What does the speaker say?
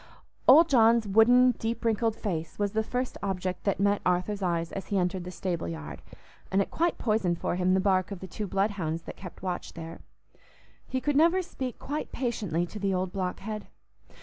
Old John's wooden, deep wrinkled face was the first object that met Arthur's eyes as he entered the stable yard, and it quite poisoned for him the bark of the two bloodhounds that kept watch there. He could never speak quite patiently to the old blockhead.